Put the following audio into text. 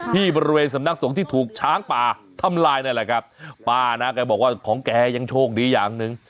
ที่บริเวณสำนักสงฆ์ที่ถูกช้างป่าทำลายนั่นแหละครับป้านะแกบอกว่าของแกยังโชคดีอย่างหนึ่ง